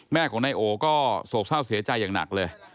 แม่ของนายโอก็โศกเศร้าเสียใจอย่างหนักเลย